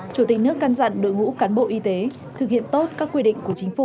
chủ tịch nước căn dặn đội ngũ cán bộ y tế thực hiện tốt các quy định của chính phủ